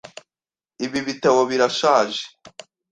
Ibi bitabo birashaje .